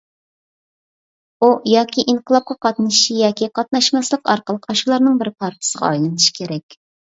ئۇ ياكى ئىنقىلابقا قاتنىشىشى ياكى قاتناشماسلىق ئارقىلىق ئاشۇلارنىڭ بىر پارچىسىغا ئايلىنىشى كېرەك.